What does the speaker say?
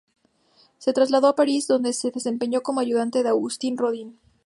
Se trasladó a París donde se desempeñó como ayudante de Auguste Rodin.